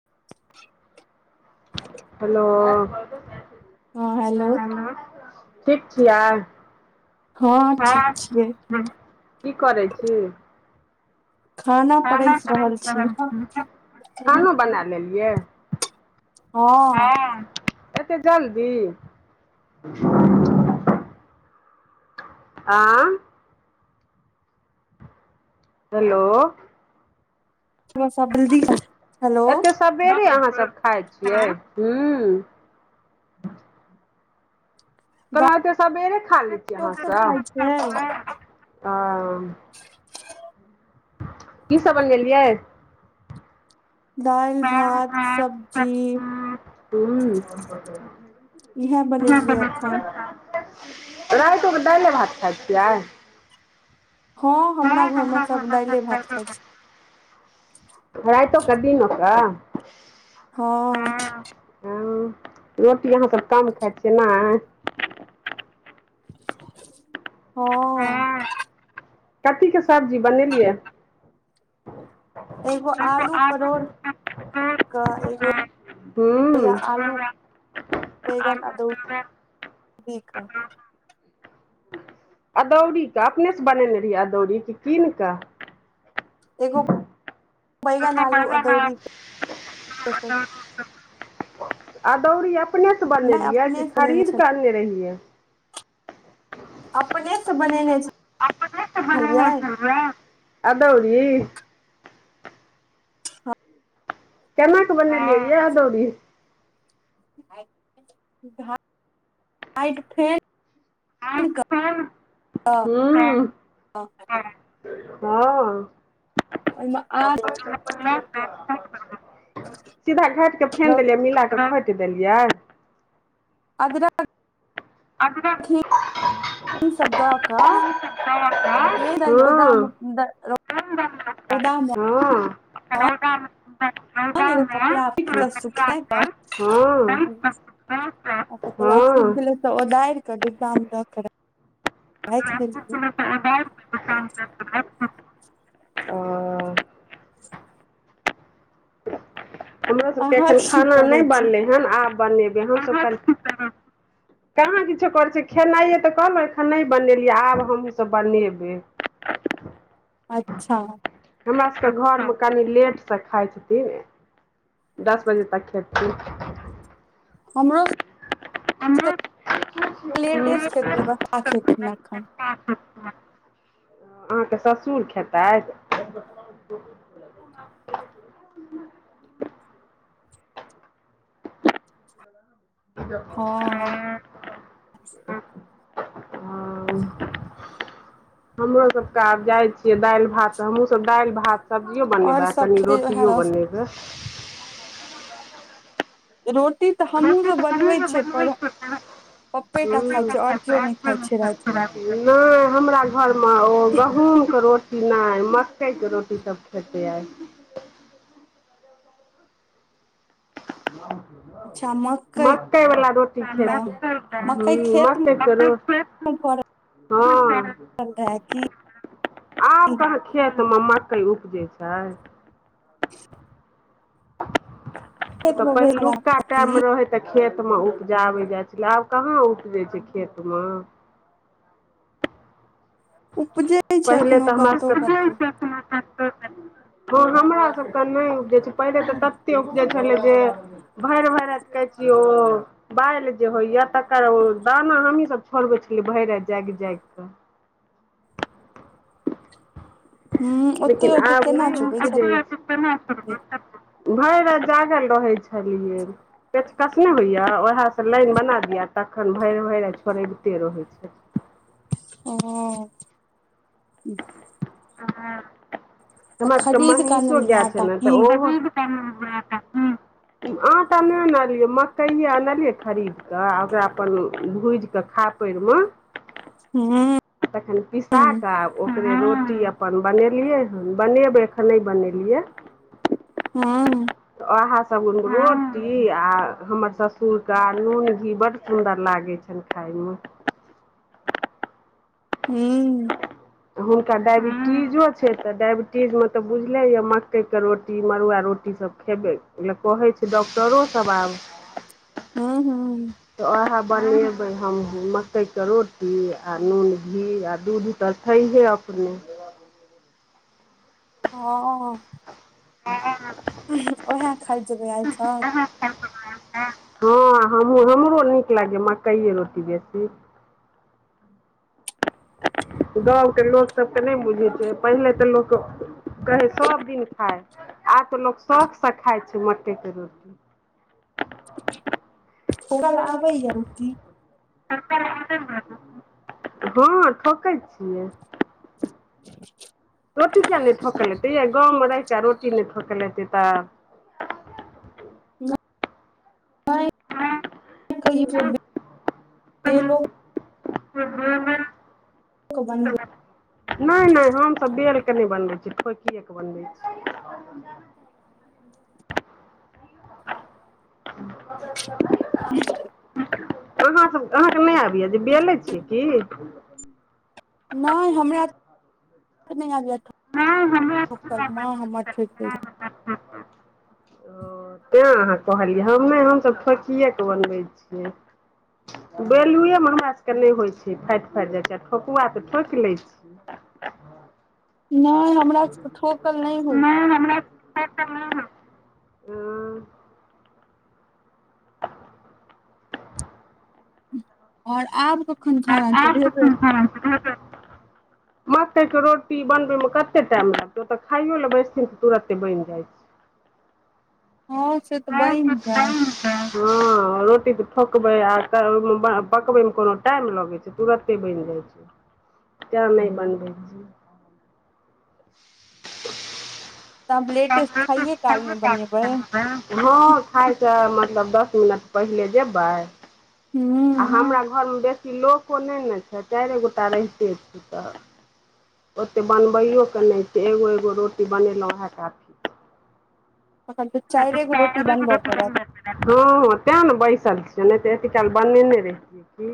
[inaudible] Hello हँ hello ठीक छियै ह ठीक छियै की करै छी खाना, परसि रहल छी हँ खानो बना लेलियै हँ, एतेक जल्दी। आँ। हेलो। इहाँ सभ जल्दी खाए छै। एते सबेरे अहाँ सभ खाय छियै हूँ। गाँव कहलो एत सबेरे खा लै छिय अहाँ लोक सब सभ। खाइ छै कि सभ बनेलियै। दाल भात हूँ सब्जी। इहे बनेलियै एखन। रात मे दाल भात खाए छियै? हँ, हमरा घरमे सभ दाल भात खाए छै। रातो कऽ दिनो कऽ। हँ। ह, रोटी अहाँ सभ कम खाए छियै ने। हँ। कथि के सब्जी बनेलियै? एगो आलू परोर कऽ एगो या आलू। बैंगन अदौरी कि। अदौरी कऽ अपने से बनेने रहियै अदौरी कऽ कीन क एगो। बब ने ब बैगन आलू अदौरी के [unintelligible] अदौरी अपने सँ नहि बनेलियै अपने कि से बनेने खरीद छल कऽ अनने रहियै? अपने, सँ बनेने छझलियै। वहा। अदौरी? केनाकऽ बन यै अदौरी? ह, फेर [unintelligible] हूँ, हूँ। हँ। ओहिमे आद [unintelligible] सीधा घाट कऽ फेन देलियै मिला कऽ हट देलियै। अ [unintelligible] हँ हँ घी घी सभ दा कऽ उदद [unintelligible] हूँ, रौदा रौदा। ह, एगो कपड़ा फिट कऽ सुख कऽ। अच्छा तऽ सुख तऽ ओ दायर कऽ दाम राखि लेलियै ओ [unintelligible] हमरा सभके अहाँ एखन की खाना करै नहि छी बनलै हन आब बनेबै हमहसभ कऽ। कहाँ किछो करै छै, खेनाइे तऽ कहलहुँ एखन नहि बनेलियै आब हमहूँ सभ बनेबै। अच्छा। हमरा सभके घरमे कनि लेट से खाय छै। दस बजे तक खेती। हमरो [unintelligible] टेस्ट खेतै बसाखेथिन एखन अहाँके ससुर खेतैथ [inaudible] ह ह हँ [unintelligible] हमरो सभके आब जाइ छियै दालि भात हमहूँ सभ दालि भात सब्जीओ बनेबै और आ सब कनि खेतै उएह रोटीओ रस बनेबै रोटी तऽ हमहुँ दस सब क छियै बनबै पर पत ने पप्पे टा खाइ छै और केओ नहि खाइ छै राति कऽ [unintelligible] हमरा घर ओ गहूँम के रोटी नहि मकइ के रोटी सब खेते आइ ह अच्छा मकई मकइ बला रोटी के खेतै हूं मकई खेत मे मकइ के रोटी फड़ल हँ रहे की आब कहाँ खेत मे मक्कै उपजे छै ह [inaudible] ओ तऽ मे भेल छले पहिलुका टाइम की रहै तऽ खेत मे उपजाबै जाइ छलै आब कहाँ उपजै छै खेत मे उपजे पहिले तऽ हमरा सभके ओ हमरा सभ के नै उपजै छै पहिले तऽ तते उपजै छलै जे भरि भरिति कहै छियो बालि जे होइया तकर दाना हमहीं सब छोड़बै छलियै भरि राति जागि जागि कऽ ह ओते लेकिन ओते आब केना चुबै नहि छलियै भरि रति जागल रहै छलियै पेच कस नहि होइया उसे स लाइन बना दिअ तखन भरि भरि रति छोड़बिते रहै छल ओ हमरा तऽ सबके खरीद कऽ महीषो आनलियै गाय आटा छलै तऽ की ओ आटा नै अनलियै ग्रिल क मकइ आनलियै खरीद तऽ ओकरा अपन भुजिकऽ खापरिमे हूँ तखन पिसा कऽ ओकरे रोटी अपन बनेलियै हन बनेबै एखन नहि बनेलियै हँ ओहे सभ रोटी आ हमर ससुरके नून घी बड्ड सुन्दर लागै छैन सेन खाइमे [unintelligible] हूं हुनका डायबिटीजो छै तऽ डायबिटीज़ में तऽ बुझले यै मक्कइके रोटी मड़ुआ रोटीसभ खेबै ला कहै छै डॉक्टरो सभ आब हूं हूं तऽ ओहे बनेबै हम मकइ के रोटी आ नून घी आ दूध त छै है अपने हँ हँ ओहै खाय जेबै आइसब हँ हमहूं हमरो नीक लागैए मकइए रोटी बेसी गाँवके लोकसभ के नहि बुझै छियै पहिले तऽ लोक कहै सभदिन खाइ आब तऽ लोक शौख से खाइ छै मकई के रोटी ओकर आबैया रोटी हँ ठोकै छियै रोटी किया नहि ठोकल हेते यै गाँव मे रहिके रोटी नहि ठोकल हेते तऽ [unintelligible] ह ह ह [inaudible] बन [inaudible] नहि नहि हमसभ बेल के नहि बनबै छी ठोकिएके बनबै छी ह [inaudible] अहाँ सब अहाँके नहि आबैय जे बेलै छियै की नहि हमरा नहि आबैया मां हमर ठेक दै रहै तै अहाँ कहलियै हम हमसभ ठोकिए कऽ बनबै छियै बैेलुएमे हमरा सभके नहि होइ छै फाटि फाटि जाइ छै आ ठोकुआ तऽ ठोकि लै छै हँ [inaudible] नहि हमरा से ठोकल नहि होइया ह [inaudible] और आब कखन आ खाना [inaudible] चढ़ेबै मकई के रोटी बनबै मे कते टाइम लागतै ओतऽ खाइो लऽ बैसथिन तऽ तुरते बनि जाय छै हँ से तऽ ब बनि ब जायत बू [inaudible] रोटी तऽ ठोकबै आ त ओहिमे पकबैमे कोनो टाइम लगैत छै तुरते बनि जाइ छै जा नहि बनबै छी तऽ आब [unintelligible] [inaudible] लेटे खाइये काल मे बनेबै हँ खाइ से मतलब दस मिनट पहिले जेबै हूँ आ हमरा घरमे बेसी लोको नहि ने छै चारिए गोटा रहिते छै तऽ ओतेक बनबैयोक नहि छै एगो एगो रोटी बनेलहुँ हे उहै काफी छै तखन तऽ चाइरे गो रोटी बनब पड़त हँ हँ तै ने बैसल छियै नहि तऽ अती काल बनेने रहितियै की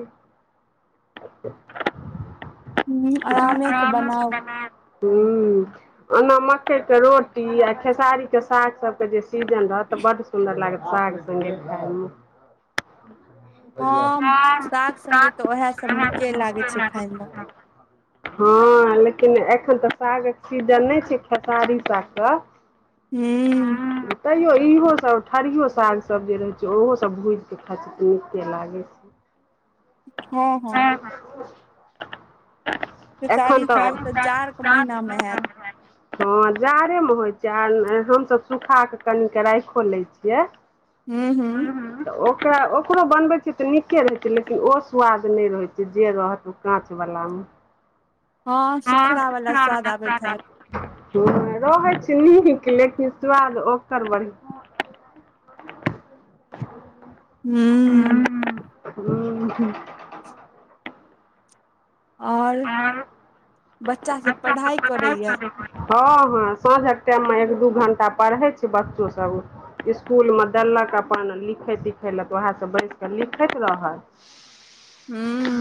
हूँ आरामे से हाम बनाउ बना ह ओना मकइके रोटी आ खेसारीके साग सभके जे सीजन रहत तऽ बड्ड सुन्दर लागत साग सङ्गे खायमे ह [unintelligible] हँ साग संगे तऽ उएह सब नीके लागे छै खाय मे हँ लेकिन एखन तऽ सागक सीजन नहि छै खेसारी सागके हू तैो इहो सब ठरियओ साग सब जे रहै छै ओहो सब भुजिके खाइ छी तऽ नीके लागै छै ह [inaudible] हँ हँ एन खेसारी साग तऽ जाड़ के महीना मे हैत हँ जाड़ेमे होइ छै आ हमसभ सुूखा कऽ कनिक राखिओ लैत छियै हूँ हूं हूँ हूं तऽ ओकरा ओकरो बनबै छियै तऽ नीके रहै छै लेकिन ओ स्वाद नहि रहै छै जे रहत ओ काँचवलामे हँ सुखड़ा सु वाला स्वाद आबैत हैत ब [inaudible] हँ रहैत छी नीक लेकिन स्वाद ओ करबड़ हूँ हूँ हूँ हँ और बच्चा सब पढ़ाई करे यै हँ हँ साँझक टाइम मे एक दू घण्टा पढ़ै छै बच्चोसभ इसकुलमे देलक अपन लिखै तिखै लए तऽ उएह सब बैस कऽ लिखैत रहल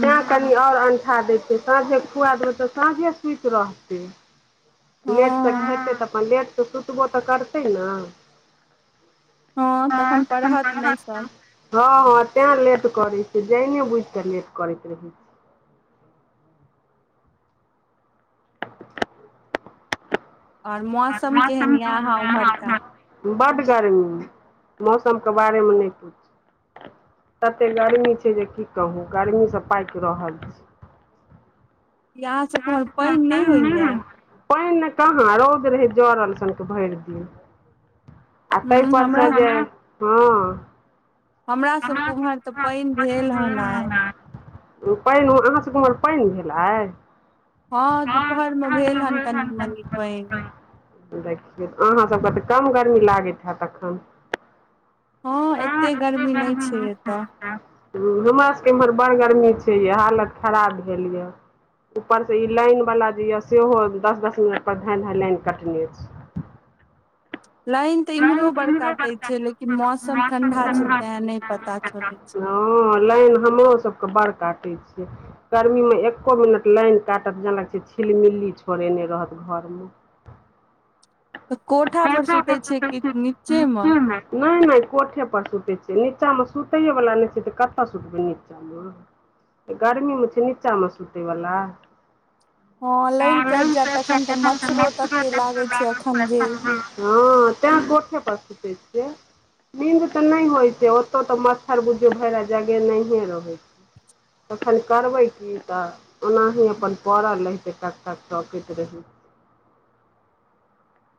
तैँ कनि आओर अणठा दे छैै साँझे खुआ देबै तऽ साँझे सुूति रहतै लेट सँ हँ खयतै तऽ अपन लेट सँ सुतबो तऽ करतै ने हँ हँ तखन [unintelligible] पढ़त नहि सब हँ हँ तैं लेट करैत छै जाईने बुझिके लेट करैत रहै छै आओर मौसम केहन धनमासम यऽ अहाँ उम्हरका [unintelligible] बड्ड गर्मी मौसमके बारेमे नहि पूछु तते गर्मी छै जे की कहू गर्मी सँ पाकि रहल छी कि अहाँ सबके उम्हर पानि [unintelligible] नहि होइया पानि ने कहाँ रौद रहे जड़ल सनके भरि दिन आ तय हूँ परसअ हमरा जे हँ हमरा सबके उम्हर तऽ पानि भेल हन आय पानि अहाँसभके उमहर पानि भेलै हँ दुपहर मे भेल हन कनि मनी पइन देखियौ अहाँसभके तऽ कम गरमी लागैत हैत एखन हँ एते गर्मी नइ छै एतऽ हमरा सबके इमहर बड़ गरमी छै यै हालत खराब भेल यऽ ऊपर सँ ई लाइनवला जे यए सेहो दस दस मिनटपर धाँइ धाँइ लाइन कटने छै लाइन तऽ [unintelligible] इम्हरो हँ बड़ काटे छै लेकिन मौसम ठंडा छै तें नहि पता चलै छै लाइन हमरो सबके बड़ काटै छै गर्मी मे एक्को मिनट लाइन काटत जेना लागै छै छिलमिलली छोड़ेने रहत घर मे तऽ कोठा पर सुते छिय कि नीचे मे नइ नइ कोठे पर सुतै छियै नीच्चामे सुतैए वला नहि छै तऽ कतऽ सुतबै नीचा मे गर्मी मे छै नीचामे सुतयवला हँ लाइन कटि जायत तखन तऽ मच्छरो तते लागे छै अखन जे [unintelligible] मस्त हँ तैं कोठे पर सुतै छियै नींद ते नहि होय ओतो त मच्छर बुछियो भइर राइत जगेनहिये रहे छै तखन करबै की तऽ ओनाही अपन पड़ल रहितऽ टकटक तकैत रही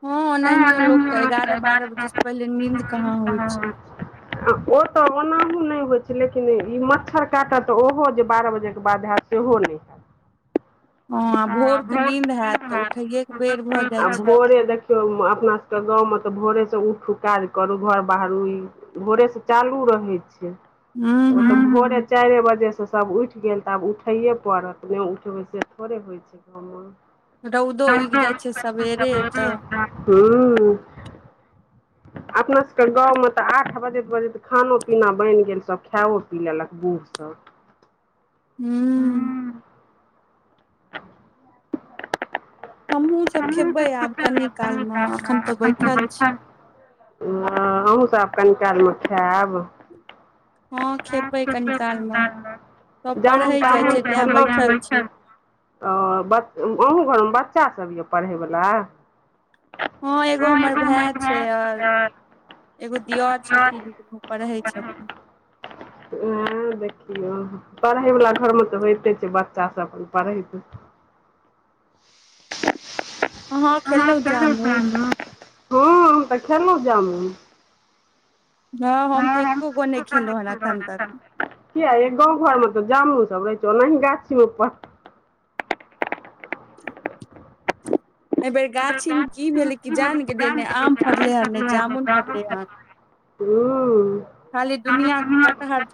हँ ओनाहियो लोक के एगारह बारह बजे से पहिले नींद कहाँ होइ छै [inaudible] ओ तऽ ओनाहु नहि होइ छै लेकिन ई मच्छर काटत तऽ ओहो जे बारह बजेके बाद हैत सेहो नहि हैत हँ भोर के नींद हैत तऽ उठैेये के बेर भऽ जाइ छै केओ अपना सबके गाँवमे तऽ भोरेसँ उठु काज करू घर बाहरू ई भोरे सँ चालू रहै छै हू ओ हू तऽ भोरे चारिए बजे सँ सब उठि गेल तऽ आब उठैए पड़त उठे बैस थोड़े होइ छै घर म रौदो उगि जाइ छै सबेरे ऐतऽ हूँ अपना सबके गाँवमे तऽ आठ बजैत बजैत खानो पीना बनि गेल सभ खायओ पी लेलक बूढ़ ई सभ। हूँ। [inaudible] हमहुँ सभ खेबे आब कनी काल मे अखन तऽ बैठल छै। ह, हम्मू सभ कनि कालमे खायब। हँ, खेबै कनी कालमे सभ जामुन पढ़े जाय तामुन छै ते खेलहुँ कि बैठल छी। ओ बच अहूँ घरमे बच्चासभ यए पढ़यवला हँ, एगो हमर भाय छै, आर। एगो दियर छथिन, पढ़ै छथिन। हँ, देखियौ। पढ़ै वला घरमे तऽ होइते छै, बच्चा सभ अपन पढ़ैत। आ अहाँ [unintelligible] हँ, हम खेलौं जामुन तऽ खेलहुँं जामन। हँ, हम तऽ एको गो नहि छुलहूँ हेन एखन तक किया गाम घरमे तऽ जामु सभ रहै छै, ओनाहि गाछी मे। एहि बेर गाछी मे कि भेलै कि जान गेलियै नहि आम फड़ले हन नहि जामुन फड़लै हन हू [unintelligible] पहाड़ पर।